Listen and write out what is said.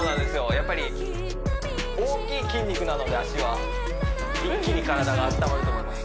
やっぱり大きい筋肉なので足は一気に体が温まると思います